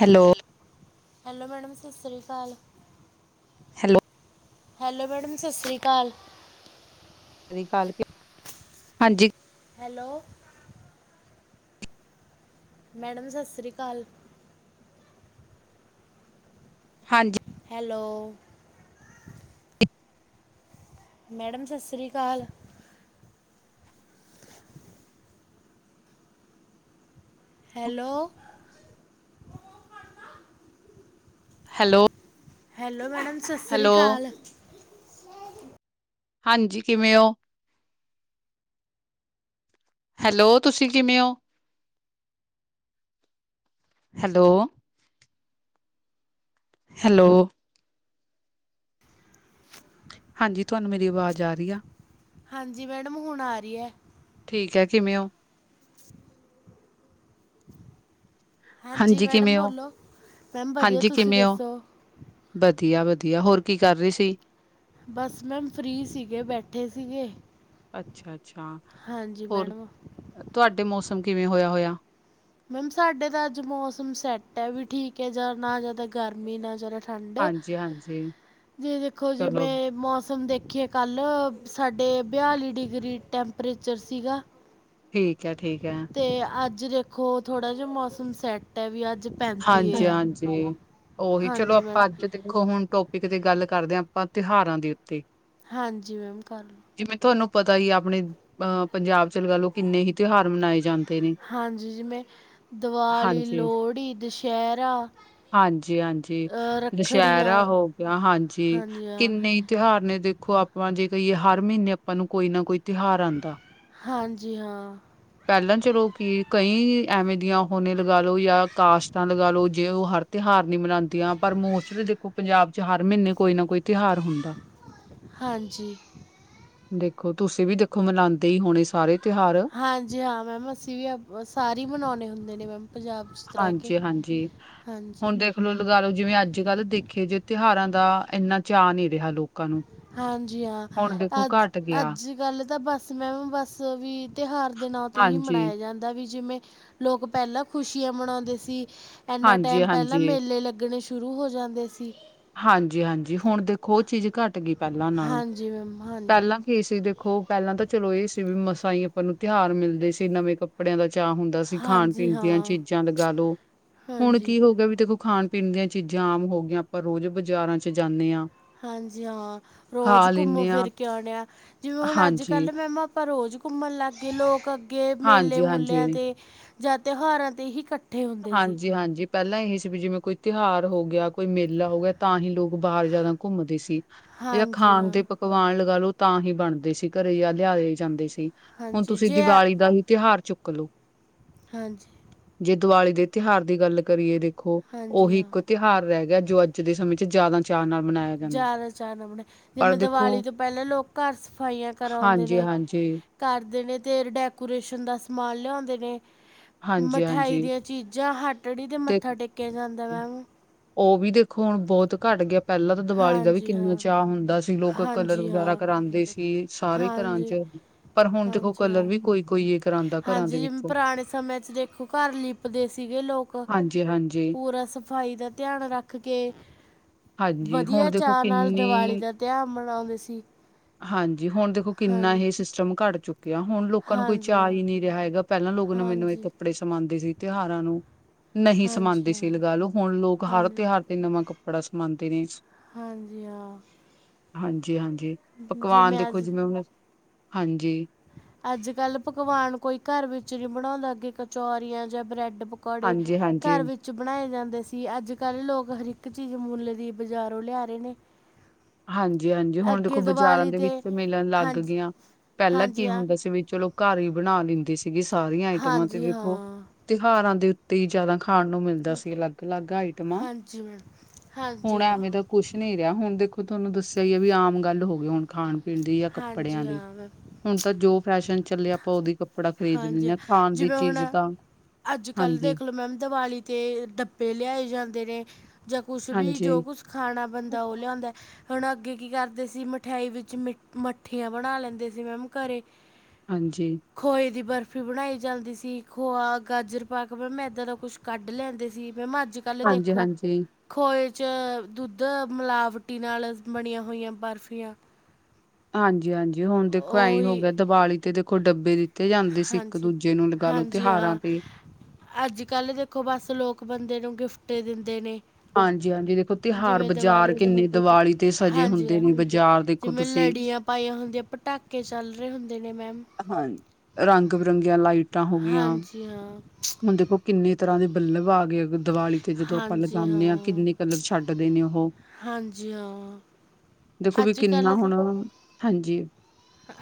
Hello, hello madam, ਸਾਸਰੀ ਕਾਲ। Hello. Hello madam, ਸਸਰੀ ਕਾਲ। ਸਾਸਰੀ ਕਾਲ। ਹਾਂਜੀ ਹੈਲੋ। ਮੈਡਮ ਸਸਰੀ ਕਾਲ। ਹਾਂਜੀ। ਹੈਲੋ, ਮੈਡਮ ਸਸਰੀ ਕਾਲ। [unintelligible] ਹੈਲੋ। ਹੈਲੋ। ਹੈਲੋ ਮੈਡਮ, ਸਸਰੀ ਹੈਲੋ ਕਾਲ। ਹਾਂਜੀ, ਕਿਵੇਂ ਉਹ? ਹੈਲੋ, ਤੁਸੀਂ ਕਿਵੇਂ ਹੋ? ਹੈਲੋ। ਹੈਲੋ। ਹਾਂਜੀ, ਤੁਹਾਨੂੰ ਮੇਰੀ ਆਵਾਜ਼ ਆ ਰਹੀ ਆ। ਹਾਂਜੀ ਮੈਡਮ, ਹੁਣ ਆ ਰਹੀ ਏ। ਠੀਕ ਏ, ਕਿਵੇਂ ਹੋ। ਹਾਂਜੀ ਮੈਡਮ, ਕਿਵੇਂ ਹੋ? ਬੋਲੋਂ ਮੈਮ ਵਧੀਆਂ। ਤੁਸੀਂ ਦੱਸੋ? ਵਧੀਆਂ-ਵਧੀਆਂ। ਹੋਰ ਕੀ ਕਰ ਰਹੀ ਸੀ। ਬਸ ਮੈਮ ਫਰੀ ਸੀਗੇ ਬੈਠੇ ਸੀਗੇ। ਅੱਛਾ ਅੱਛਾ। ਹਾਂਜੀ ਹੋਰ ਮੈਡਮ ਤੁਹਾਡੇ ਮੌਸਮ ਕਿਵੇਂ ਹੋਇਆ ਹੋਇਆ। ਮੈਮ ਸਾਡੇ ਤਾਂ ਅੱਜ ਮੌਸਮ ਸੈੱਟ ਏ ਵੀ ਠੀਕ ਏ ਜਾਂ ਨਾ ਜ਼ਿਆਦਾ ਗਰਮੀ ਨਾ ਜ਼ਿਆਦਾ ਠੰਡ ਹਾਂਜੀ, ਹਾਂਜੀ ਜੇ ਦੇਖੋਂ ਚਲੋ ਜਿਵੇਂ ਮੌਸਮ ਦੇਖੀਏ ਕੱਲ੍ਹ ਸਾਡੇ ਬਿਆਲੀ ਡਿਗਰੀ ਟੈਂਪਰੇਚਰ ਸੀਗਾ। ਠੀਕ ਐ -ਠੀਕ ਐ ਤੇ ਅੱਜ ਦੇਖੋਂ ਥੋੜ੍ਹਾ ਜਾ ਮੌਸਮ ਸੈੱਟ ਏ ਵੀ ਅੱਜ ਹਾਂਜੀ ਆ -ਹਾਂਜੀ ਓਹੀ ਚਲੋ ਹਾਂਜੀ ਆਪਾਂ ਮੈਡਮ ਅੱਜ ਦੇਖੋਂ ਹੁਣ ਟੋਪਿਕ ਦੀ ਗੱਲ ਕਰਦੇ ਹਾਂ ਆਪਾਂ ਤਿਉਹਾਰਾਂ ਦੇ ਉੱਤੇ ਹਾਂਜੀ ਮੈਮ ਕਰਲੋ ਜਿਵੇਂ ਤੁਹਾਨੂੰ ਪਤਾ ਈ ਆ ਆਪਣੇ ਅਹ ਪੰਜਾਬ ਚ ਲਗਾ ਲਓ ਕਿੰਨੇ ਹੀ ਤਿਉਹਾਰ ਮਨਾਏ ਜਾਂਦੇ ਨੇ ਹਾਂਜੀ ਜਿਵੇਂ ਦਿਵਾਲੀ, ਹਾਂਜੀ, ਲੋਹੜੀ, ਦੁਸ਼ਹਿਰਾ। ਹਾਂਜੀ- ਹਾਂਜੀ ਦੁਸ਼ਹਿਰਾ ਹੋ ਗਿਆ ਹਾਂਜੀ ਕਿੰਨੇ ਈ ਤਿਉਹਾਰ ਨੇ ਦੇਖੋਂ ਆਪਾਂ ਜੇ ਕਹੀਏ ਹਰ ਮਹੀਨੇ ਆਪਾਂ ਨੂੰ ਕੋਈ ਨਾ ਕੋਈ ਤਿਉਹਾਰ ਆਂਦਾ ਹਾਂਜੀ ਹਾਂ ਪਹਿਲਾਂ ਚਲੋ ਕਿ ਕਈ ਐਵੇਂ ਦੀਆਂ ਹੋਨੇ ਲਗਾ ਲਓ ਜਾਂ ਕਾਸ਼ਤਾਂ ਲਗਾ ਲੋ ਜੇ ਉਹ ਹਰ ਤਿਉਹਾਰ ਨੀ ਮਨਾਦੀਆਂ ਪਰ ਮੋਸਟਲੀ ਦੇਖੋਂ ਪੰਜਾਬ ਚ ਹਰ ਮਹੀਨੇ ਕੋਈ ਨਾ ਕੋਈ ਤਿਉਹਾਰ ਹੁੰਦਾ ਹਾਂਜੀ। ਦੇਖੋਂ ਤੁਸੀਂ ਵੀ ਦੇਖੋਂ ਮਨਾਂਦੇ ਈ ਹੋਣੇ ਸਾਰੇ ਤਿਉਹਾਰ ਹਾਂਜੀ ਹਾਂ ਮੈਮ ਅਸੀਂ ਵੀ ਆਪ ਸਾਰੇ ਮਨਾਉਣੇ ਹੁੰਦੇ ਨੇ ਮੈਮ ਪੰਜਾਬ 'ਚ ਰਹਿ ਕੇ ਹਾਂਜੀ -ਹਾਂਜੀ ਹਾਂਜੀ ਹੁਣ ਦੇਖ ਚਲੋ ਲਗਾ ਲਓ, ਜਿਵੇਂ ਅੱਜ- ਕੱਲ੍ਹ ਦੇਖੇ ਜੇ ਤਿਉਹਾਰਾਂ ਦਾ ਐਨਾ ਚਾਅ ਨੀ ਰਿਹਾ ਲੋਕ ਹਾਂਜੀ ਹਾਂ ਅੱਜ ਘੱਟ ਗਿਆ ਅੱਜ ਗੱਲ ਤਾਂ ਬਸ ਮੈਮ ਬਸ ਵੀ ਤਿਉਹਾਰ ਦੇ ਨਾਂ ਤੇ ਹੀ ਹਾਂਜੀ, ਮਨਾਇਆ ਜਾਂਦਾ ਵੀ ਜਿਵੇਂ ਲੋਕ ਪਹਿਲਾਂ ਖ਼ੁਸ਼ੀਆਂ ਮਨਾਉਂਦੇ ਸੀ ਐਨਾ ਟਾਇਮ ਪਹਿਲਾਂ ਹਾਂਜੀ-ਹਾਂਜੀ, ਮੇਲੇ ਲੱਗਣੇ ਸ਼ੁਰੂ ਹੋ ਜਾਂਦੇ ਸੀ ਹਾਂਜੀ -ਹਾਂਜੀ ਹੁਣ ਦੇਖੋਂ ਉਹ ਚੀਜ਼ ਘੱਟ ਗਈ ਪਹਿਲਾਂ ਨਾਲੋਂ ਹਾਂਜੀ ਮੈਮ ਹਾਂਜੀ ਪਹਿਲਾਂ ਕੀ ਸੀ ਦੇਖੋਂ ਪਹਿਲਾਂ ਤਾਂ ਚਲੋ ਇਹ ਸੀ ਵੀ ਮਸਾਂ ਈ ਆਪਾਂ ਨੂੰ ਤਿਉਹਾਰ ਮਿਲਦੇ ਸੀ ਨਵੇਂ ਕੱਪ ਕੱਪੜਿਆਂ ਦਾ ਚਾਅ ਹੁੰਦਾ ਸੀ ਖਾਣ ਹਾਂਜੀ ਪੀਣ ਦੀਆਂ ਹਾਂ ਚੀਜ਼ਾਂ ਲਗਾ ਲੋ ਹੁਣ ਹਾਂਜੀ ਕੀ ਹੋ ਗਿਆ ਦੇਖੋਂ ਖਾਣ ਖਾਣ -ਪੀਣ ਦੀਆਂ ਚੀਜ਼ਾਂ ਆਮ ਹੋ ਗਈਆਂ ਆਪਾਂ ਰੋਜ਼ ਬਾਜ਼ਾਰਾਂ 'ਚ' ਜਾਨੇ ਆ ਹਾਂਜੀ ਹਾਂ ਰੋਜ਼ ਖਾ ਘੁੰਮੋ ਲੈਂਨੇ ਆ ਫ਼ਿਰ ਕੇ ਆਉਣੇ ਆ ਜਿਵੇਂ ਹੁਣ ਅੱਜ ਹਾਂਜੀ, ਕੱਲ੍ਹ ਮੈਮ ਆਪਾਂ ਰੋਜ਼ ਘੁੰਮਣ ਲਗ ਗੇ ਲੋਕ ਅੱਗੇ ਮੇਲੇ ਹਾਂਜੀ-ਹਾਂਜੀ। ਮੁਲਿਆਂ ਤੇ ਜਾਂ ਤਿਉਹਾਰਾਂ ਤੇ ਹੀਂ ਕੱ ਹਾਂਜੀ- ਹਾਂਜੀ ਪਹਿਲਾਂ ਇਹੀ ਸੀ ਵੀ ਜਿਵੇਂ ਕੋਈ ਤਿਉਹਾਰ ਹੋ ਗਿਆ ਕੋਈ ਮੇਲਾ ਹੋ ਗਿਆ ਤਾਂ ਹੀ ਲੋਕ ਬਾਹਰ ਜ਼ਿਆਦਾ ਘੁੰਮਦੇ ਸੀ ਜਾਂ ਹਾਂਜੀ ਖਾਣ ਹਾਂ ਦੇ ਪੱਕ ਪਵਾਨ ਲਗਾ ਲਓ ਤਾਂ ਹੀ ਬਣਦੇ ਸੀ ਘਰੇ ਜਾਂ ਲਿਆ ਜਾਂਦੇ ਸੀ ਹੁਣ ਹਾਂਜੀ ਤੁਸੀਂ ਜੇ ਦੀਵਾਲੀ ਦਾ ਹੀ ਤਿਉਹਾਰ ਚੁੱਕ ਲੋ ਹਾਂਜੀ। ਦੀਵਾਲੀ ਦੇ ਤਿਉਹਾਰ ਦੀ ਗੱਲ ਕਰੀਏ ਦੇਖੋਂ ਹਾਂਜੀ ਉਹੀ ਹਾਂ, ਇੱਕ ਤਿਉਹਾਰ ਰਹਿ ਗਿਆ ਜੋ ਅੱਜ ਦੇ ਸਮੇਂ ਚ ਜ਼ਿਆਦਾ ਚਾਅ ਨਾਲ ਮਨਾਇਆ ਜਾਂਦਾ। ਜ਼ਿਆਦਾ ਚਾਆ ਨਾ ਮਨਾਇਓਚਬਣਾ ਪਰ ਜਿਵੇਂ ਦੀਵਾਲੀ ਤੋਂ ਪਹਿਲਾਂ ਲੋਕ ਘਰ ਸਫਾਈਆਂ- ਕਰਾਉਂਦੇ ਹਾਂਜੀ- ਨੇ, ਹਾਂਜੀ। ਕਰਦੇ ਨੇ ਤੇ ਡੈਕੋਰੇਸ਼ਨ ਦਾ ਸਮਾਨ ਲਿਆਉਂਦੇ ਨੇ ਮਿਠਾਈ ਹਾਂਜੀ-ਹਾਂਜੀ ਦੀਆਂ ਚੀਜ਼ਾਂ ਹੱਟੜੀ ਤੇ ਮੱਥਾ ਟੇਕਿਆ ਜਾਂਦਾ ਮੈਮ ਉਹ ਵੀ ਦੇਖੋਂ ਹੁਣ ਬਹੁਤ ਘੱਟ ਗਿਆ ਪਹਿਲਾਂ ਤਾਂ ਦੀਵਾਲੀ ਦਾ ਵੀ ਹਾਂਜੀ ਕਿੰਨਾ ਹਾਂ, ਚਾਅ ਹੁੰਦਾ ਸੀ ਲੋਕ ਕਲਰ ਹਾਂਜੀ ਵਗੈਰਾ ਹਾਂ, ਕਰਾਂਦੇ ਸੀ ਸਾਰੇ ਘਰਾਂ ਹਾਂਜੀ। 'ਚ 'ਪਰ ਹੁਣ ਦੇਖੋਂ ਹਾਂਜੀ ਕਲਰ ਹਾਂ, ਵੀ ਕੋਈ- ਕੋਈ ਉਹ ਕਰਾਂਦਾ ਘਰਾਂ ਦੇ ਹਾਂਜੀ ਜਿਵੇਂ ਵਿੱਚ ਪੁਰਾਣੇ ਸਮੇਂ 'ਚ ਦੇਖੋ ਘਰ ਲਿਪਦੇ ਸੀਗੇ ਲੋਕ ਹਾਂਜੀ ਹਾਂਜੀ ਪੂਰਾ ਸਫ਼ਾਈ ਦਾ ਧਿਆਨ ਰੱਖ ਕਿਉਂਕਿ ਹਾਂਜੀ ਵਧੀਆ ਹੁਣ ਦੇਖੋ ਚਾਅ ਨਾਲ ਦਿਵਾਲੀ ਕਿੰਨੀ ਦਾ ਤਿਉਹਾਰ ਮਨਾਉਂਦੇ ਸੀ। ਹਾਂਜੀ, ਹੁਣ ਦੇਖੋ ਕਿੰਨਾ ਹਾਂਜੀ, ਇਹ ਸਿਸਟਮ ਘੱਟ ਚੁੱਕਾ। ਕਿਹਾ। ਹੁਣ ਲੋਕਾਂ ਨੂੰ ਕੋਈ ਹਾਂਜੀ ਚਾਅ ਹਾਂ, ਹੀ ਨਹੀਂ ਰਿਹਾ ਹੈਗਾ। ਪਹਿਲਾਂ ਲੋਕ ਨਵੇਂ-ਨਵੇਂ ਹਾਂਜੀ। ਕੱਪੜੇ ਸਮਾਉਂਦੇ ਸੀ ਤਿਉਹਾਰਾਂ ਨੂੰ। ਨਹੀਂ ਹਾਂਜੀ ਸਮਾਂਦੇ ਸੀ ਹਾਂ ਲਗਾ ਲਓ। ਹੁਣ ਲੋਕ ਹਰ ਹਾਂਜੀ ਤਿਉਹਾਰ ਤੇ ਨਵਾਂ ਕੱਪੜਾ ਸਮਾਉਂਦੇ ਨੇ। ਹਾਂਜੀ ਹਾਂ। ਹਾਂਜੀ ਹਾਂਜੀ। ਜੇ ਪਕਵਾਨ ਮੈਂ ਦੇਖੋ ਜਿਵੇਂ ਹੁਣ ਹਾਂਜੀ। ਅੱਜ-ਕੱਲ੍ਹ ਪਕਵਾਨ ਕੋਈ ਘਰ ਵਿੱਚ ਨੀ ਬਣਾਉਦਾ। ਅਗੇ ਕਚੋਰੀਆਂ ਜਾਂ ਬ੍ਰੈਡ ਪਕੌੜੇ ਹਾਂਜੀ ਹਾਂਜੀ ਘਰ ਵਿੱਚ ਵਿੱਚ ਬਣਾਏ ਜਾਂਦੇ ਸੀ। ਅੱਜ-ਕੱਲ੍ਹ ਲੋਕ ਹਰ ਇੱਕ ਚੀਜ਼ ਮੁੱਲ ਦੀ ਬਜ਼ਾਰੋਂ ਲਿਆ ਰਹੇ ਨੇ। ਹਾਂਜੀ ਹਾਂਜੀ। ਹੁਣ ਦੇਖੋ, ਅੱਗੇ ਬਾਜ਼ਾਰਾਂ ਦੀਵਾਲੀ ਦੇ 'ਤੇ ਵਿੱਚ ਮਿਲਣ ਲੱਗ ਹਾਂਜੀ ਗਈਆਂ। ਪਹਿਲਾਂ ਹਾਂਜੀ ਕੀ ਹਾਂ ਹੁੰਦਾ ਸੀ ਵੀ ਚਲੋ। ਘਰ ਹੀ ਬਣਾ ਲੈਂਦੀ ਸੀਗੀ ਸਾਰੀਆਂ ਆਈਟਮਾਂ ਤੇ ਹਾਂਜੀ ਦੇਖੋ ਹਾਂ ਤਿਉਹਾਰਾਂ ਦੇ ਉੱਤੇ ਹੀ ਜ਼ਿਆਦਾ ਖਾਣ ਨੂੰ ਮਿਲਦਾ। ਦਾ ਸੀ ਅਲੱਗ-ਅਲੱਗ ਆਈਟਮਾਂ। ਹਾਂਜੀ ਮੈਮ ਹੁਣ ਹਾਂਜੀ ਹਾਂ ਐਵੇਂ ਦਾ ਕੁਛ ਨਹੀਂ ਰਿਹਾ। ਹੁਣ ਦੇਖੋ ਤੁਹਾਨੂੰ ਦੱਸਿਆ ਹੀ ਐ ਵੀ ਆਮ ਗੱਲ ਹੋ ਗਈ। ਹੁਣ ਖਾਣ-ਪੀਣ ਦੀ ਜਾਂ ਕੱਪੜਿਆਂ ਹਾਂਜੀ ਦੀ। ਹਾਂ ਮੈਮ ਹੁਣ ਤਾਂ ਜੋ ਫੈਸ਼ਨ ਚੱਲੇ ਆਪਾਂ ਉਹਦੀ ਕੱਪੜਾ ਖਰੀਦ ਹਾਂਜੀ ਲੈਂਦੇ ਹਾਂ ਖਾਣ ਦੀ ਜਿਵੇਂ ਹੁਣ ਚੀਜ਼ ਤਾਂ ਅੱਜ-ਕੱਲ੍ਹ ਹਾਂਜੀ-ਹਾਂਜੀ, ਦੇਖ ਲਓ ਮੈਮ ਦੀਵਾਲੀ ਤੇ ਡੱਬੇ ਲਿਆਏ ਜਾਂਦੇ ਨੇ। ਜਾਂ ਕੁਛ ਵੀ ਜੋ ਕੁਛ ਖਾਣਾ ਬੰਦਾ ਉਹ ਲਿਉਦਾ। ਹੁਣ ਅੱਗੇ ਕੀ ਕਰਦੇ ਸੀ ਮਠਿਆਈ ਵਿੱਚ ਮਿ ਮੱਠੀਆਂ ਬਣਾ ਲੈਂਦੇ ਸੀ ਮੈਮ ਘਰੇ। ਹਾਂਜੀ। ਖੋਏ ਦੀ ਬਰਫ਼ੀ ਬਣਾਈ ਜਾਂਦੀ ਸੀ। ਖੋਆ, ਗਾਜਰ ਪਾਕ ਮੈਂਮ ਇੱਦਾਂ ਦਾ ਕੁਛ ਕੱਢ ਲੈਂਦੇ ਸੀ। ਮੈਮ ਅੱਜ-ਕੱਲ੍ਹ ਦੇਖੋ ਹਾਂਜੀ-ਹਾਂਜੀ। ਖੋਹੇ 'ਚ ਦੁੱਧ ਮਿਲਾਵਟੀ ਨਾਲ ਬਣੀਆਂ ਹੋਈਆਂ ਬਰਫ਼ੀਆਂ। ਹਾਂਜੀ ਹਾਂਜੀ। ਹੁਣ ਦੇਖੋ ਐਂ ਹੋ ਉਹੀ ਗਿਆ। ਦੀਵਾਲੀ ਤੇ ਦੇਖੋ ਡੱਬੇ ਦਿ- ਤੇ ਜਾਂਦੇ ਸੀ ਹਾਂਜੀ ਇੱਕ-ਦੂਜੇ ਨੂੰ ਲਗਾ ਲਓ ਤਿਉਹਾਰਾਂ ਤੇ। ਅੱਜ-ਕੱਲ੍ਹ ਦੇਖੋ ਬਸ ਲੋਕ ਬੰਦੇ ਨੂੰ ਗਿਫਟ ਦਿੰਦੇ ਨੇ। ਹਾਂਜੀ ਹਾਂਜੀ। ਦੇਖੋ ਤਿਉਹਾਰ ਜਿਵੇਂ ਦੀਵਾਲੀ ਬਾਜ਼ਾਰ 'ਤੇ ਕਿੰਨੇ ਦੀਵਾਲੀ ਤੇ ਸਜੇ ਹਾਂਜੀ ਹੁੰਦੇ ਹਾਂ ਨੇ ਬਾਜ਼ਾਰ ਦੇਖੋ ਜਿਵੇਂ ਤੁਸੀਂ। ਲੜੀਆਂ ਪਾਈਆਂ ਹੁੰਦੀਆਂ। ਪਟਾਕੇ ਚੱਲ ਰਹੇ ਹੁੰਦੇ ਨੇ ਮੈਮ। ਹਾਂਜੀ ਰੰਗ-ਬਿਰੰਗੀਆਂ ਲਾਈਟਾਂ ਹੋ ਗਈਆਂ। ਹਾਂਜੀ ਹਾਂ ਹੁਣ ਦੇਖੋ ਕਿੰਨੇ ਤਰ੍ਹਾਂ ਦੇ ਬੱਲਬ ਆ ਗਏ। ਦੀਵਾਲੀ ਤੇ ਜਦੋਂ ਆਪਾਂ ਹਾਂਜੀ ਲਗਾਣੇ ਆ ਹਾਂ ਕਿੰਨੇ ਕਲਰ ਛੱਡਦੇ ਨੇ ਉਹੋ। ਹਾਂਜੀ ਹਾਂ। ਦੇਖੋ ਵੀ ਅੱਜ ਕਿੰਨਾ ਹੁਣ ਹਾਂਜੀ।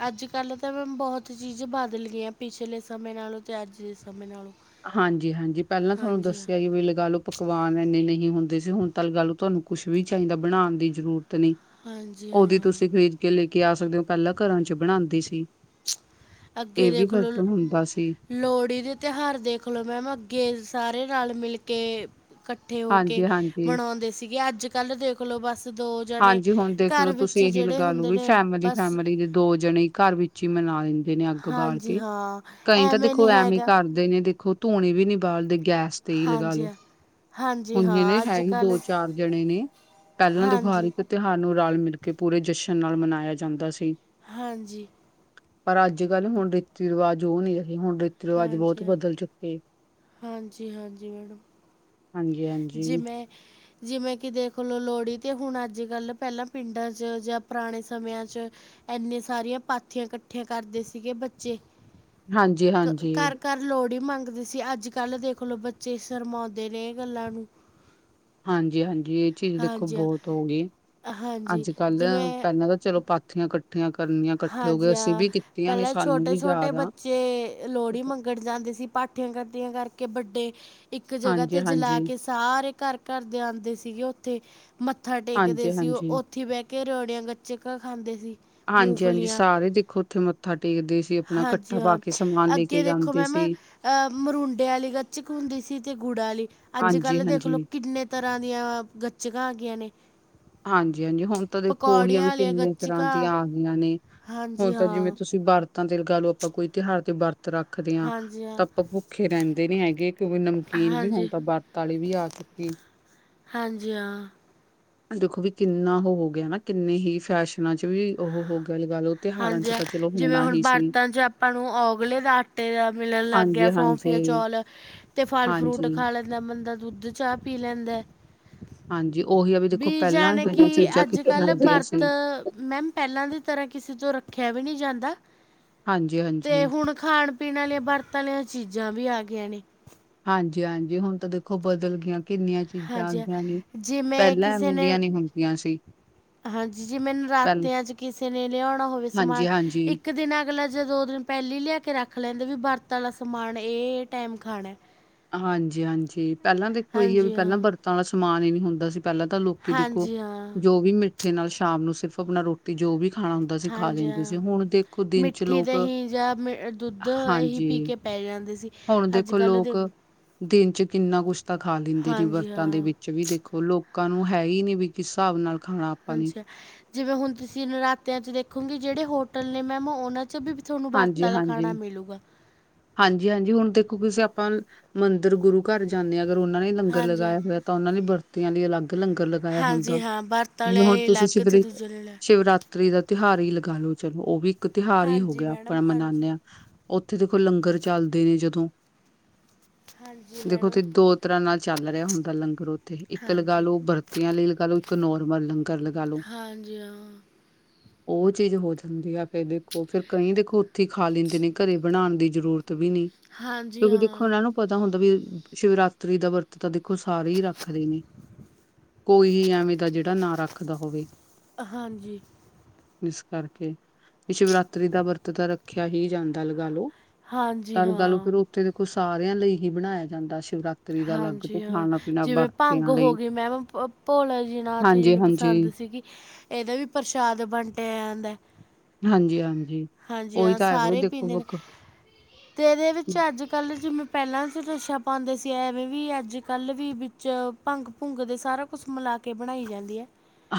ਅੱਜ-ਕੱਲ੍ਹ ਤਾਂ ਮੈਮ ਬਹੁਤ ਚੀਜ਼ਾਂ ਬਦਲ ਗਈਆਂ ਪਿਛਲੇ ਸਮੇਂ ਨਾਲੋਂ ਤੇ ਅੱਜ ਦੇ ਸਮੇਂ ਨਾਲੋਂ। ਹਾਂਜੀ ਹਾਂਜੀ ਪਹਿਲਾਂ ਤੁਹਾਨੂੰ ਹਾਂਜੀ ਹਾਂ ਦੱਸਿਆ ਜ ਵੀ ਲਗਾ ਲਓ ਪਕਵਾਨ ਇੰਨੇ ਨਹੀਂ ਹੁੰਦੇ ਸੀ। ਹੁਣ ਤਾਂ ਲਗਾ ਲਉ ਤੁਹਾਨੂੰ ਕੁਛ ਵੀ ਚਾਹੀਦਾ ਬਣਾਣ ਦੀ ਜ਼ਰੂਰਤ ਨੀ। ਹਾਂਜੀ ਉਹਦੀ ਹਾਂ ਤੁਸੀਂ ਖ਼ਰੀਦ ਕੇ ਲੈ ਕੇ ਆ ਸਕਦੇ ਹੋ। ਪਹਿਲਾਂ ਘਰਾਂ ਚ ਬਣਾਦੀ ਸੀ। ਅੱਗੇ ਇਹ ਵੀ ਦੇਖ ਫਰਕ ਲਓ ਹੁੰਦਾ ਸੀ। ਲੋਹੜੀ ਦੇ ਤਿਉਹਾਰ ਦੇਖ ਲਓ ਮੈਮ ਅੱਗੇ ਸਾਰੇ ਨਾਲ ਮਿਲ ਕੇ ਕੱਠੇ ਹੋ ਕੇ ਹਾਂਜੀ-ਹਾਂਜੀ, ਹਾਂਜੀ ਮਨਾਉਂਦੇ ਸੀਗੇ। ਅੱਜ-ਕੱਲ੍ਹ ਦੇਖਲੋ ਬਸ ਦੋ ਜਣੇ ਹਾਂਜੀ, ਹੁਣ ਦੇਖ ਘਰ ਲੋ ਵਿੱਚ ਤੁਸੀਂ ਇਹੀ ਜਿਹੜੇ ਲਗਾ ਲਓ ਹੁੰਦੇ ਵੀ ਨੇ ਬਸ ਫੈਮਿਲੀ-ਫੈਮਿਲੀ ਦੇ ਦੋ ਜਣੇ ਘਰ ਵਿੱਚ ਮਨਾ ਲੈਂਦੇ ਨੇ ਅੱਗ ਬਾਲ ਹਾਂਜੀ ਕੇ ਹਾਂ ਕਈ ਤਾਂ ਦੇਖੋ ਨਹੀਂ ਐਵੇਂ ਹੈਗਾ ਘਰ ਦੇ ਨੇ ਦੇਖੋ, ਧੂਣੀ ਵੀ ਨੀ ਬਾਲਦੇ ਗੈਸ ਤੇ ਹੀ ਲਗਾ ਹਾਂਜੀ ਲੋੋ। ਹਾਂ ਹਾਂਜੀ ਹੁਣ ਜਿਦੇ ਹਾਂ ਅੱਜ ਹੈਗੇ ਕੱਲ੍ਹ ਦੋ-ਚਾਰ ਜਣੇ ਨੇ ਪਹਿਲਾਂ ਦੇ ਹਾਂਜੀ ਤਿਉਹਾਰ ਨੂੰ ਰਲ-ਮਿਲ ਕੇ ਪੂਰੇ ਜਸ਼ਨ ਨਾਲ ਮਨਾਇਆ ਜਾਂਦਾ ਸੀ। ਹਾਂਜੀ ਪਰ ਅੱਜ-ਕੱਲ੍ਹ ਹੁਣ ਰੀਤੀ ਰਿਵਾਜ਼ ਉਹ ਨੀ ਰਹੇ। ਹੁਣ ਰੀਤੀ ਰਿਵਾਜ ਬਹੁਤ ਹਾਂਜੀ ਹਾਂ ਬਦਲ ਚੁੱਕੇ। ਹਾਂਜੀ ਹਾਂਜੀ ਮੈਡਮ [inaudible] ਹਾਂਜੀ ਹਾਂਜੀ। ਜਿਵੇਂ ਜਿਵੇਂ ਕਿ ਦੇਖ ਲਓ ਲੋਹੜੀ ਤੇ ਹੁਣ ਅੱਜ ਕੱਲ੍ਹ ਪਹਿਲਾਂ ਪਿੰਡਾਂ 'ਚ ਜਾਂ ਪੁਰਾਣੇ ਸਮਿਆਂ 'ਚ ਇੰਨੇ ਸਾਰੀਆਂ ਪਾਥੀਆਂ ਇਕੱਠੀਆਂ ਕਰਦੇ ਸੀਗੇ ਬੱਚੇ। ਹਾਂਜੀ-ਹਾਂਜੀ। ਘਰ -ਘਰ ਲੋਹੜੀ ਮੰਗਦੇ ਸੀ ਅੱਜ ਦੇਖਲੋ ਬੱਚੇ ਸ਼ਰਮਾਉਂਦੇ ਨੇ। ਗੱਲਾਂ ਨੂੰ ਹਾਂਜੀ -ਹਾਂਜੀ। ਚੇਂਜ ਦੇਖੋ, ਹਾਂਜੀ ਬਹੁਤ ਹਾਂ- ਹੋ ਗਈ ਹਾਂਜੀ ਅੱਜ-ਕੱਲ੍ਹ ਜਿਵੇਂ ਪਹਿਲਾਂ ਤਾਂ ਚਲੋ ਪਾਥੀਆਂ ਇਕੱਠੀਆਂ ਕਰਨੀਆਂ। ਇਕੱਠੇ ਹੋ ਗਏ ਹਾਂਜੀ ਅਸੀਂ ਹਾਂ ਵੀ ਕੀਤੀਆਂ ਨੇ ਪਹਿਲਾਂ ਸਾਨੂੰ ਵੀ ਛੋਟੇ-ਛੋਟੇ ਯਾਦ ਆ। ਬੱਚੇ ਲੋਹੜੀ ਮੰਗ ਪਾਥੀਆਂ ਇਕੱਠੀਆਂ ਕਰਕੇ ਵੱਡੇ ਇੱਕ ਜਗ੍ਹਾ ਤੇ ਹਾਂਜੀ-ਹਾਂਜੀ, ਜਲਾਕੇ ਸਾਰੇ ਘਰ- ਘਰ ਦੇ ਆਉਂਦੇ ਸੀਗੇ ਉੱਥੇ ਮੱਥਾ ਟੇਕਦੇ ਸੀ ਉਹ ਹਾਂਜੀ-ਹਾਂਜੀ। ਉੱਥੇ ਬਹਿ ਕੇ ਕੇ ਰੋੜੀਆਂ ਗੱਚਕਾ ਖਾਂਦੇ ਸੀ। ਹਾਂਜੀ -ਹਾਂਜੀ ਮੂੰਗਫਲੀਆਂ ਸਾਰੇ ਦੇਖੋ ਉੱਥੇ ਮੱਥਾ ਟੇਕਦੇ। ਆਪਣਾ ਹਾਂਜੀ ਇੱਕਠਾ ਪਾ ਕੇ ਸਮਾਨ ਲੈ ਕੇ ਜਾਂਦੇ ਸੀ। ਆ ਮਰੂਡੇ ਵਾਲੀ ਗੱਚਕ ਹੁੰਦੀ ਸੀ ਅਤੇ ਗੁੜਾ ਵਾਲੀ ਅੱਜ ਕੱਲ੍ਹ ਦੇਖ ਹਾਂਜੀ-ਹਾਂਜੀ, ਲਓ ਕਿੰਨੇ ਤਰ੍ਹਾਂ ਦੀਆਂ ਗੱਚਗਾਂ ਆ ਗਈਆਂ ਨੇ ਹਾਂਜੀ ਹਾਂਜੀ ਹੁਣ ਤਾਂ ਦੇਖੋ ਉਹੀ ਪਕੌੜੀਆਂ ਵੀ ਆਲੀਆਂ ਕਿੰਨੀਆਂ ਤਰ੍ਹਾਂ ਗੱਚਕਾਂ ਦੀਆਂ ਆ ਗਈਆਂ ਨੇ ਹਾਂਜੀ ਹੁਣ ਜਿਵੇਂ ਹਾਂ, ਤੁਸੀਂ ਵਰਤਾਂ ਤੇ ਲਗਾ ਲਓ ਆਪਾਂ ਕੋਈ ਤਿਉਹਾਰ ਤੇ ਵਰਤ ਰੱਖਦੇ ਹਾਂ ਹਾਂਜੀ ਹਾਂ, ਤਾਂ ਆਪਾਂ ਭੁੱਖੇ ਰਹਿੰਦੇ ਨੀ ਹੈਗੇ ਕਿਉਂਕਿ ਨਮਕੀਨ ਵੀ ਹੁਣ ਹਾਂਜੀ। ਤਾਂ ਵ ਰਤ ਵਾਲੀ ਵੀ ਆ ਚੁੱਕੀ। ਹਾਂਜੀ ਹਾਂ। ਦੇਖੋ ਵੀ ਕਿੰਨਾ ਉਹ ਹੋ ਗਿਆ ਨਾ ਕਿੰਨੇ ਹੀ ਫੈਸ਼ਨਾਂ 'ਚ' ਵੀ ਉਹ ਹੋ ਗਿਆ ਲਗਾ ਲਓ ਤਿਉਹਾਰਾਂ ਹਾਂਜੀ ਚ ਹਾਂ, ਤਾਂ ਚਲੋ ਜਿਵੇਂ ਹੋਣਾ ਹੁਣ ਹੀ ਸੀ ਵਰਤਾ ਚ ਆਪਾਂ ਨੂੰ ਔਗਲੇ ਦਾ ਟੇ ਦਾ ਮਿਲਣ ਲੱਗ ਗਿਆ ਹਾਂਜੀ ਸੌਫੀਆ ਹਾਂਜੀ ਚੌਲ ਤੇ ਫਲ ਹਾਂਜੀ ਫਰੂਟ ਖਾ ਲੈ ਜ ਬੰਦਾ ਦੁੱਧ ਚਾਹ ਪੀ ਲੈਂਦਾ। ਹਾਂਜੀ ਉਹੀ ਆ ਵੀ ਦੇਖੋ ਵੀ ਪਹਿਲਾਂ ਜਾਣੀ ਜਿਹੜੀਆਂ ਕਿ ਚੀਜ਼ਾਂ ਅੱਜ ਕਿੱਥੇ ਕੱਲ੍ਹ ਹੁੰਦੀਆਂ ਵਰਤ ਸੀ ਮੈ ਪਹਿਲਾਂ ਦੀ ਤਰ੍ਹਾਂ ਕਿਸੇ ਤੋਂ ਰੱਖਿਆ ਵੀ ਨਹੀਂ ਜਾਂਦਾ, ਹਾਂਜੀ ਤੇ ਹਾਂਜੀ ਹੁਣ ਖਾਣ ਪੀਣ ਵਾਲੀਆਂ ਵਰਤਾਂ ਵਾਲੀਆਂ ਚੀਜ਼ਾਂ ਵੀ ਆ ਗਈਆਂ ਨੇ। ਹਾਂਜੀ- ਹਾਂਜੀ ਹੁਣ ਤਾਂ ਦੇਖੋ ਬਦਲਗਈਆਂ ਕਿੰਨੀਆਂ ਚੀਜ਼ਾਂ ਹਾਂਜੀ ਹਾਂ, ਆਉਂਦੀਆਂ ਨੇ ਜਿਵੇਂ ਪਹਿਲਾਂ ਕਿਸੇ ਐਵੇਂ ਨੇ ਦੀਆਂ ਨੀ ਹੁੰਦੀਆਂ ਸੀ। ਹਾਂਜੀ ਜੀ ਜਿਵੇ ਪਹਿਲ ਨਰਾਤਿਆਂ ਚ ਕਿਸੇ ਨੇ ਲਿਆਉਣਾ ਹੋਵੇ ਸਮਾਨ ਹਾਂਜੀ ਹਾਂਜੀ ਇੱਕ ਦਿਨਾਂ ਅਗਲਾ ਜੇ ਦੋ ਦਿਨ ਪਹਿਲੀ ਲਿਆ ਕੇ ਰੱਖ ਲੈਂਦੇ ਵੀ ਵਰਤ ਵਾਲਾ ਸਮਾਨ ਇਹ - ਇਹ ਟਾਈਮ ਖਾਣਾ। ਹਾਂਜੀ -ਹਾਂਜੀ ਪਹਿਲਾਂ ਦੇਖੋ ਇਹੀ ਹੈ ਵੀ ਹਾਂਜੀ ਪਹਿਲਾਂ ਹਾਂ, ਵਰਤਾਂ ਵਾਲਾ ਸਮਾਨ ਹੀ ਨੀ ਹੁੰਦਾ ਸੀ। ਪਹਿਲਾਂ ਤਾਂ ਲੋਕੀ ਦੇਖੋ, ਹਾਂਜੀ ਹਾਂ, ਜੋ ਵੀ ਮਿੱਠੇ ਨਾਲ ਸ਼ਾਮ ਨੂੰ ਸਿਰਫ ਆਪਣਾ ਰੋਟੀ ਜੋ ਵੀ ਖਾਣਾ ਹੁੰਦਾ ਸੀ ਖਾ ਹਾਂਜੀ ਲੈਂਦੇ ਹਾਂ ਸੀ ਹੁਣ ਦੇਖੋ ਦਿਨ 'ਚ ਮਿੱਠੀ ਲੋਕ ਦੇਹੀਂ ਜਾਂ ਮ ਦੁੱਧ ਇਹੀ ਹਾਂਜੀ ਪੀ ਕੇ ਪੈ ਜਾਂਦੇ ਸੀ। ਹੁਣ ਦੇਖੋ ਅੱਜ-ਕੱਲ੍ਹ ਲੋਕ, ਦੇਖ ਲੋ ਦਿਨ ਚ ਕਿੰਨਾ ਕੁਛ ਰ ਖਾ ਲੈਂਦੇ ਨੇ ਹਾਂਜੀ ਵਰਤਾਂ ਦੇ ਹਾਂ, ਵਿੱਚ ਵੀ ਦੇਖੋ ਲੋਕਾਂ ਨੂੰ ਹੈ ਹੀ ਨੇ ਵੀ ਕਿਸ ਹਿਸਾਬ ਨਾਲ ਖਾਣਾ ਆਪਾਂ ਨੇ ਹਾਂਜੀ ਹਾਂ ਜਿਵੇਂ ਹੁਣ ਤੁਸੀਂ ਨਰਾਤਿਆਂ ਚ ਦੇਖੋਗੇ ਜਿਹੜੇ ਹੋਟਲ ਨੇ ਮੈਮ ਉਹਨਾਂ 'ਚ 'ਚ' ਵੀ ਤੁਹਾਨੂੰ ਵਰਤ ਵਾਲਾ ਖਾਣਾ ਮਿਲੇਗਾ। ਹਾਂਜੀ -ਹਾਂਜੀ ਹੁਣ ਦੇਖੋ ਕਿਸੇ ਆਪਾਂ ਮੰਦਿਰ ਗੁਰੂ ਘਰ ਜਾਂਦੇ ਹਾਂ ਅਗਰ ਉਹਨਾਂ ਨੇ ਲੰਗਰ ਹਾਂਜੀ ਹਾਂ, ਲਗਾਇਆ ਹੋਇਆ ਤਾਂ ਉਹਨਾਂ ਦੀ ਬਰਤੀਆਂ ਲਈ ਅਲੱਗ ਲੰਗਰ ਲ ਗਾਇਆ ਹੁੰਦਾ, ਹਾਂਜੀ ਹਾਂ, ਵਰਤ ਜਿਵੇਂ ਹੁਣ ਆਲੇ ਤੁਸੀਂ ਅਲੱਗ ਸ਼ਿਵ ਤੇ ਦੂਜੇ ਲਈ ਅਲੱਗ। ਸ਼ਿਵਰਾਤ ਤਰੀ ਦਾ ਤਿਉਹਾਰ ਹੀ ਲਗਾ ਲਓ, ਚਲੋ ਉਹ ਵੀ ਇੱਕ ਤਿਉਹਾਰ ਹੀ ਹੋ ਹਾਂਜੀ ਗਿਆ ਮੈਡਮ ਆਪਣਾ ਹਾਂਜੀ ਮਨਾਉਂਦੇ ਹਾਂ। ਉੱਥੇ ਦੇਖੋ ਲੰਗਰ ਚੱਲਦੇ ਨੇ ਜਦੋਂ ਹਾਂਜੀ ਦੇਖੋ ਮੈਡਮ ਉਥੇ ਦੋ ਤਰ੍ਹਾਂ ਨਾਲ ਚੱਲ ਰਿਹਾ ਹੁੰਦਾ ਲੰਗਰ ਉੱਥੇ, ਇੱਕ ਲਗਾ ਹਾਂਜੀ ਲਓ ਬਰਤ ਆਂ ਲਈ ਲਗਾ ਲਓ ਇੱਕ ਨੋਰਮਲ ਲੰਗਰ ਲਗਾ ਲਓ। ਹਾਂਜੀ ਹਾਂ ਉਹ ਚੀਜ਼ ਹੋ ਜਾਂਦੀ ਆ ਫੇਰ ਦੇਖੋ ਫਿਰ ਕਈ ਦੇਖੋ ਉੱਥੇ ਖਾ ਲੈਦੇ ਨੇ ਘਰੇ ਬਣਾਣ ਦੀ ਜ਼ਰੂਰਤ ਵੀ ਨਹੀਂ, ਹਾਂਜੀ ਕਿਉਂਕਿ ਦੇਖੋ ਹਾਂ ਇਹਨਾਂ ਨੂੰ ਪਤਾ ਹੁੰਦਾ ਵੀ ਸ਼ਿਵਰਾਤਰੀ ਦਾ ਵਰਤ ਤਾਂ ਦੇਖੋ ਸਾਰੇ ਹੀ ਰੱਖਦੇ ਨੇ। ਕੋਈ ਹੀ ਐਵੇਂ ਦਾ ਜਿਹੜਾ ਨਾ ਰੱਖਦਾ ਹੋਵੇ। ਹਾਂਜੀ। ਇਸ ਕਰਕੇ ਸ਼ਿਵਰਾਤਰੀ ਦਾ ਵਰਤ ਤਾਂ ਰੱਖਿਆ ਹੀ ਜਾਂਦਾ ਲਗਾਲੋ ਹਾਂਜੀ ਤਾਂ ਹਾਂ ਲਗਾ ਲੋ ਫਿਰ ਤੇ ਦੇਖੋ ਸਾਰਿਆਂ ਲਈ ਹੀ ਬਣਾਇਆ ਜਾਂਦਾ ਸ਼ਿਵਰਾਤਰੀ ਦਾ ਅਲੱਗ ਤੋਂ ਹਾਂਜੀ ਹਾਂ ਖਾਣਾ। ਪੀਣਾ ਜਿਵੇਂ ਭੰਗ ਵਰਤਿਆਂ ਲਈ ਹੋਗੀ ਮੈਮ ਭੋਲਾ ਜੀ ਨਾਥ ਜੀ ਨੂੰ ਪਸੰਦ ਹਾਂਜੀ-ਹਾਂਜੀ, ਸੀਗੀ। ਇਹਦਾ ਵੀ ਪ੍ਰਸ਼ਾਦ ਵੰਡਿਆ ਜਾਂਦਾ। ਹਾਂਜੀ-ਹਾਂਜੀ। ਹਾਂਜੀ ਉਹੀ ਹਾਂ। ਤਾਂ ਹੈ ਸਾਰੇ ਦੇਖੋ ਪੀਂਦੇ ਨੇ ਬੁੱਕ ਤੇ ਇਹਦੇ ਵਿੱਚ ਅੱਜ-ਕੱਲ੍ਹ ਜਿਵੇਂ ਪਹਿਲਾਂ ਚ ਨਸ਼ਾ ਪਾਦੇ ਸੀ। ਐਵੇਂ ਵੀ ਅੱਜ-ਕੱਲ੍ਹ ਵੀ ਵਿੱਚ ਭੰਗ-ਭੁੰਗ ਦੇ ਸਾਰਾ ਕੁਛ ਮਿਲਾ ਕੇ ਕੇ ਬਣਾਈ ਜਾਂਦੀ ਐ।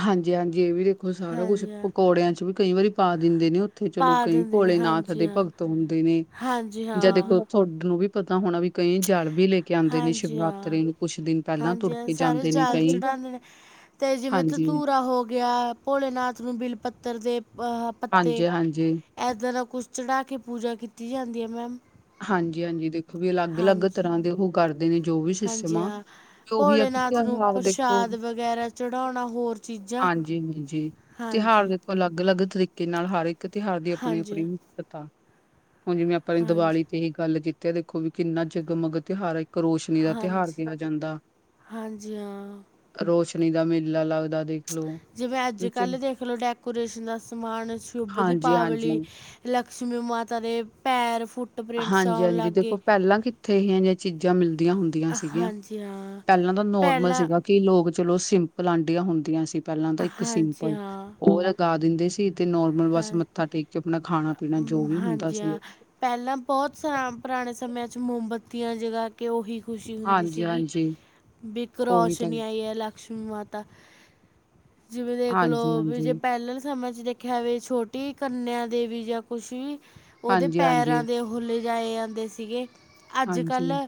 ਹਾਂਜੀ-ਹਾਂਜੀ। ਇਹ ਵੀ ਸਾਰਾ ਕੁੱਛ ਹਾਂ ਪਕੌੜਿਆਂ ਚ ਵੀ ਕਈ ਵਾਰੀ ਪਾ ਦਿੰਦੇ ਨੇ, ਉੱਥੇ ਚਲੋ ਪਾ ਕਈ ਦਿੰਦੇ ਨੇ ਭੋਲੇ ਨਾਥ ਹਾਂਜੀ ਦੇ ਹਾਂ ਭ- ਗਤ ਹੁੰਦੇ ਨੇ ਹਾਂਜੀ ਜਾਂ ਹਾਂ, ਦੇਖੋ ਥੋਨੂੰ ਵੀ ਪਤਾ ਹੋਣਾ ਵੀ ਕਈ ਜਲ ਵੀ ਲੈ ਕੇ ਆਦੇ ਨੇ। ਹਾਂਜੀ ਹਾਂ, ਸ਼ਿਵਰਾਤਰੀ ਨੂੰ ਕੁਛ ਦਿਨ ਪਹਿਲਾਂ ਹਾਂਜੀ ਤੁਰ ਹਾਂ ਕੇ ਸਾਰੇ ਜਾਂਦੇ ਨੇ ਜਲ ਕਈ। ਚੜਾਉਂਦੇ ਤੇ ਜਿਵੇ ਹਾਂਜੀ, ਧਤੂਰਾ ਹੋ ਗਿਆ। ਭੋਲੇਨਾਥ ਨੂੰ ਬਿਲ ਪੱਤਰ ਦੇ ਅਹ ਪੱਤੇ। ਹਾਂਜੀ-ਹਾਂਜੀ। ਇੱਦਾਂ ਦਾ ਕੁਛ ਚੜ੍ਹਾ ਕੇ ਪੂਜਾ ਕੀਤੀ ਜਾਂਦੀ ਏ ਮੈਮ। ਹਾਂਜੀ-ਹਾਂਜੀ। ਵੀ ਅਲੱਗ-ਅਲੱਗ ਹਾਂਜੀ, ਤਰ੍ਹਾਂ ਦੇ ਉਹ ਕਰਦੇ ਨੇ ਜੋ ਵੀ ਸਿਸਮ ਹਾਂਜੀ ਆ ਹਾਂ। ਤੇ ਉਹੀ ਆ ਕਿੱਥੇ ਭੋਲੇਨਾਥ ਨੂੰ ਆਪਦੇ ਪ੍ਰਸ਼ਾਦ ਵਗੈਰਾ ਚੜਾਣਾ ਹੋਰ ਚੀਜ਼ਾਂ। ਹਾਂਜੀ-ਹਾਂਜੀ। ਤਿਉਹਾਰ ਹਾਂਜੀ, ਦੇਖੋ, ਅਲੱਗ-ਅਲੱਗ ਤਰੀਕੇ ਕੇ ਨਾਲ ਹਰ ਇੱਕ ਤਿਉਹਾਰ ਦੀ ਆਪਣੀ-ਆਪਣੀ ਹਾਂਜੀ, ਮਹੱਤਤਾ। ਹੁਣ ਜਿਵੇਂ ਆਪਾਂ ਨੇ ਹਾਂਜੀ, ਦੀਵਾਲੀ ਇਹੀ ਗੱਲ ਕੀਤੀ ਦੇਖੋ ਵੀ ਕਿੰਨਾ ਜਗਮਗ ਤਿਉਹਾਰ ਏ। ਕਰੋਸ਼ਨੀ ਦਾ ਤਿਉਹਾਰ ਹਾਂਜੀ, ਕਿਹਾ ਜਾਂਦਾ। ਹਾਂਜੀ ਹਾਂ। ਰੋਸ਼ਨੀ ਦਾ ਮੇਲਾ ਲੱਗਦਾ ਦੇਖ ਲਓ। ਜਿਵੇਂ, ਅੱਜ-ਕੱਲ੍ਹ ਦੇਖ ਲਓ ਡੈਕੋਰੇਸ਼ਨ ਦਾ ਸਮਾਨ, ਸ਼ੁੱਭ ਹਾਂਜੀ-ਹਾਂਜੀ, ਦੀਪਾਵਲੀ। ਲਕਸ਼ਮੀ ਮਾਤਾ ਦੇ ਪੈਰ ਫੁੱਲ। ਹਾਂਜੀ -ਹਾਂਜੀ ਦੇਖੋ, ਪਹਿਲਾਂ ਕਿੱਥੇ ਇਹੋ ਜਿਹੀਆਂ ਚੀਜ਼ਾਂ ਮਿਲਦੀਆਂ ਹੁੰਦੀਆਂ ਸੀਗੀਆਂ। ਹਾਂਜੀ ਹਾਂ ਪਹਿਲਾਂ ਤਾਂ ਨੋਰਮਲ ਪਹਿਲਾਂ ਸੀਗਾ ਕਿ ਲੋਕ ਚਲੋ ਸਿੰਪਲ ਆਂਢੀਆਂ ਹੁੰਦੀਆਂ ਸੀ। ਪਹਿਲਾਂ ਤਾਂ ਇੱਕ ਹਾਂਜੀ ਸਿੰਪਲ। ਹਾਂ ਹੋਰ ਲਗਾ ਦਿੰਦੇ ਸੀ ਤੇ ਨੋਰਮਲ ਬਸ ਹਾਂ ਮੱਥਾ ਟੇਕ ਕੇ ਆਪਣਾ ਖਾਣਾ ਪੀਣਾ ਜੋ ਮ, ਵੀ ਹੁੰਦਾ ਹਾਂਜੀ ਸੀ। ਹਾਂ ਪਹਿਲਾਂ ਬਹੁਤ ਸ ਪੁਰਾਣੇ ਸਮਿਆਂ 'ਚ ਮੋਮਬੱਤੀਆਂ ਜਗ੍ਹਾ ਕੇ ਉਹੀ ਖੁਸ਼ੀ ਹੁੰਦੀ ਹਾਂਜੀ ਸੀਗੀ ਹਾਂਜੀ ਵੀ ਇੱਕ ਉਹੀ ਤਾਂ ਰੋਸ਼ਨੀ ਆਈ ਏ ਲੱਖ ਲਕਸ਼ਮੀ ਮਾਤਾ ਜਿਵੇਂ ਦੇਖ ਹਾਂਜੀ ਹਾਂਜੀ ਲਓ ਵੀ ਜੇ ਹਾਂਜੀ ਪਹਿਲਾਂ ਸਮੇਂ ਚ ਦੇਖ ਐਵੇ ਛੋਟੀ ਕੰਨਿਆਂ ਦੇਵੀ ਜਾਂ ਕੁਛ ਵੀ ਉਹਦੇ ਹਾਂਜੀ ਪੈਰਾਂ ਦੇ ਫੁੱਲ ਲਾਏ ਜਾਂਦੇ ਸੀਗੇ। ਹਾਂਜੀ ਅੱਜ-ਕੱਲ੍ਹ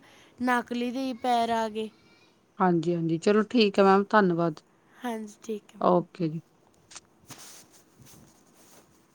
ਨਕਲੀ ਦੇ ਹੀ ਪੈਰ ਆ ਗਏ। ਹਾਂਜੀ -ਹਾਂਜੀ। ਚਲੋ ਠੀਕ ਏ ਮੈਮ, ਧੰਨਵਾਦ। ਹਾਂਜੀ ਠੀਕ ਐ। ਓਕੇ ਜੀ। [inaudible]